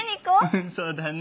うんそうだね。